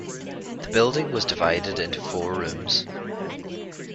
The building was divided into four rooms.